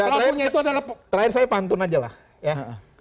dan terakhir terakhir saya pantun aja lah ya